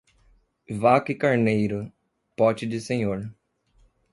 Vaca e carneiro, pote de senhor.